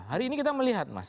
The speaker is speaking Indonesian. hari ini kita melihat mas